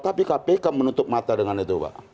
tapi kpk menutup mata dengan itu pak